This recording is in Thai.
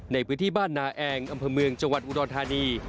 ในพื้นที่บ้านนาแองอำเภอเมืองจังหวัดอุดรธานี